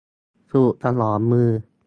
สูตรถนอมมือ